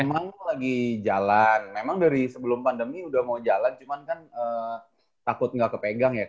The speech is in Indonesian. emang lagi jalan memang dari sebelum pandemi udah mau jalan cuman kan takut nggak kepegang ya